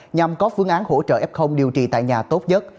nhằm có phương án hỗ trợ f điều trị tại nhà tốt nhất